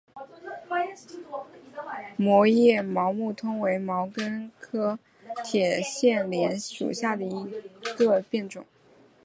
膜叶毛木通为毛茛科铁线莲属下的一个变种。